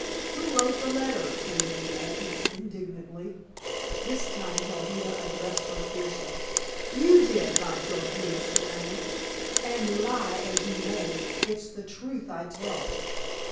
"Who wrote the letter?" demanded Agnes indignantly. This time Chaldea answered her fiercely. "You did, my Gorgious rani, and lie as you may, it's the truth I tell."